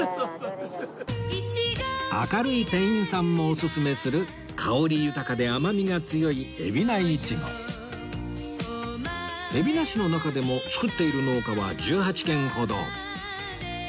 明るい店員さんもオススメする香り豊かで甘みが強い海老名市の中でも作っている農家は１８軒ほど